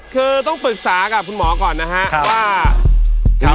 คือต้องปรึกษากับคุณหมอก่อนนะครับว่า